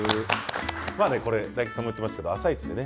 大吉さんも言っていましたが「あさイチ」でね。